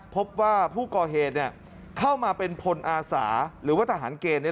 พบว่าผู้ก่อเหตุเข้ามาเป็นพลอาสาหรือว่าทหารเกณฑ์